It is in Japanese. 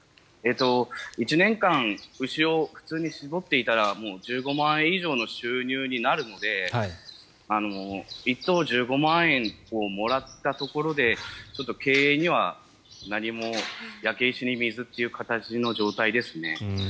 １年間牛を普通に搾っていたら１５万円以上の収入になるので１頭１５万円をもらったところでちょっと経営には何も焼け石に水という形の状態ですね。